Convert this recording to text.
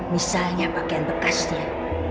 misalnya pakaian bekasnya